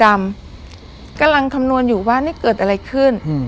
กำลังคำนวณอยู่ว่านี่เกิดอะไรขึ้นอืม